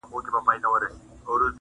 پروا مکړه پروا دې که شيرينه نه کوي